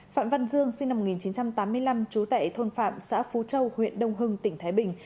phạm văn dương sinh năm một nghìn chín trăm tám mươi năm trú tại thôn phạm xã phú châu huyện đông hưng tỉnh thái bình